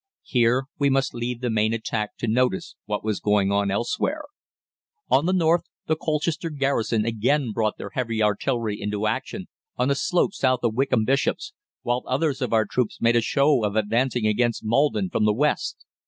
"Here we must leave the main attack to notice what was going on elsewhere. On the north the Colchester Garrison again brought their heavy artillery into action on the slopes south of Wickham Bishops, while others of our troops made a show of advancing against Maldon from the west.